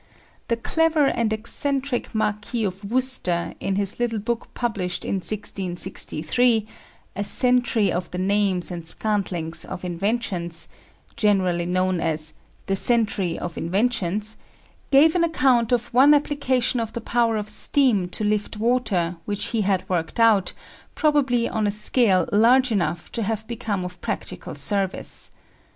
The clever and eccentric Marquis of Worcester, in his little book published in 1663, A Century of the Names and Scantlings of Inventions, generally known as the Century of Inventions, gave an account of one application of the power of steam to lift water which he had worked out, probably on a scale large enough to have become of practical service.